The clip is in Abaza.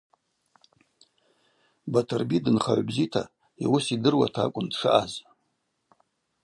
Батырби дынхагӏв бзита, йуыс йдыруата акӏвын дшаъаз.